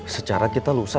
secara kita lusa